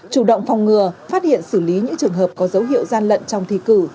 chủ động phòng ngừa phát hiện xử lý những trường hợp có dấu hiệu gian lận trong thi cử